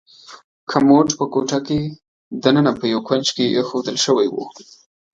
کمود په کوټه کې دننه په یو کونج کې ایښودل شوی و.